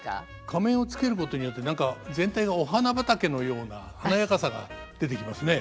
仮面をつけることによって何か全体がお花畑のような華やかさが出てきますね。